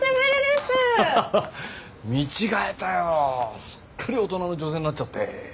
すっかり大人の女性になっちゃって。